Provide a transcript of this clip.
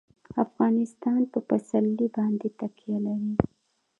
افغانستان په پسرلی باندې تکیه لري.